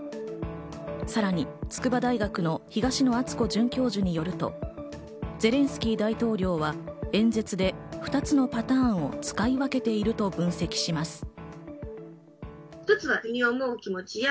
さらに筑波大学の東野篤子准教授によると、ゼレンスキー大統領は演説で２つのパターンを使い分けていると分析します。